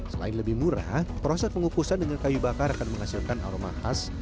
selain lebih murah proses pengukusan dengan kayu bakar akan menghasilkan aroma khas